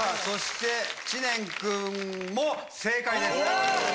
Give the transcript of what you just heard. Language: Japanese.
そして知念君も正解です。